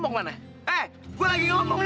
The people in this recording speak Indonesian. saat ternyata gue harus jalanit baru